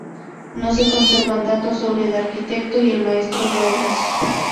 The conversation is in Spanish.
No se conservan datos sobre el arquitecto y el maestro de obras.